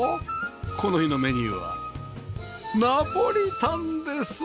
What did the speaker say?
この日のメニューはナポリタンです！